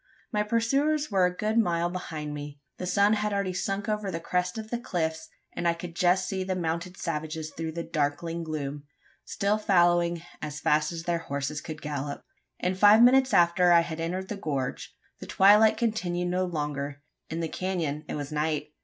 My pursuers were a good mile behind me. The sun had already sunk over the crest of the cliffs, and I could just see the mounted savages through the darkling gloom still fallowing as fast as their horses could gallop. In five minutes after, I had entered the gorge. The twilight continued no longer: in the canon it was night.